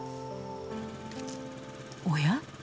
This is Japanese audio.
おや？